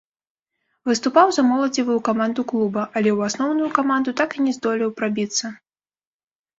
Выступаў за моладзевую каманду клуба, але ў асноўную каманду так і не здолеў прабіцца.